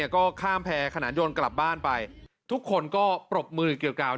ก็ข้ามแพรขนานยนต์กลับบ้านไปทุกคนก็ปรบมือเกี่ยวกล่าว